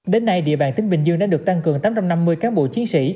đến nay địa bàn tỉnh bình dương đã được tăng cường tám trăm năm mươi cán bộ chiến sĩ